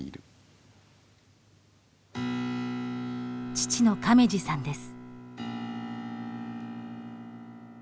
父の亀二さんです。